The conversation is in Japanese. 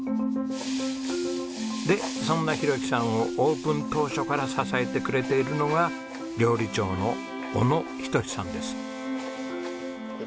でそんな浩樹さんをオープン当初から支えてくれているのは料理長の小野仁さんです。